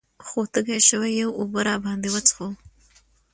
خو تږي شوي يو اوبۀ راباندې وڅښوه ـ